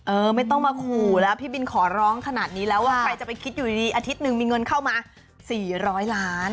ไม่ต้องมาขู่แล้วพี่บินขอร้องขนาดนี้แล้วว่าใครจะไปคิดอยู่ดีอาทิตย์หนึ่งมีเงินเข้ามา๔๐๐ล้าน